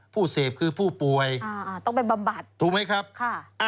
ผู้เสพคือผู้ป่วยอ่าอ่าต้องไปบัมบัติถูกไหมครับค่ะ